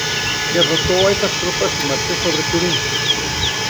Derrotó a esas tropas y marchó sobre Turín.